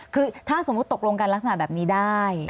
คือถ้าสมมุติตกลงกันลักษณะแบบนี้ได้